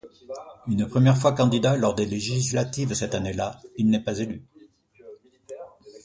Une première fois candidat lors des législatives cette année là, il n'est pas élu.